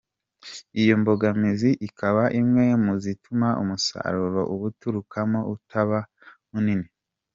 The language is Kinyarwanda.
Iyo mbogamizi ikaba imwe mu zituma umusaruro ubuturukamo utaba munini.